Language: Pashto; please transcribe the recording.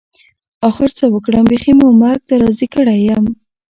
اخر څه وکړم بيخي مو مرګ ته راضي کړى يم.